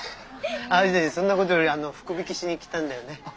そんなことよりあの福引きしに来たんだよね？